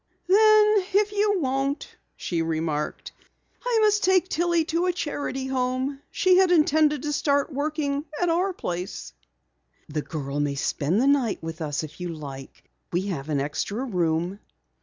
"Then if you won't," she remarked, "I must take Tillie to a charity home. She had intended to start working at our place." "The girl may spend the night with us, if you like. We have an extra room."